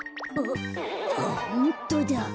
あホントだ。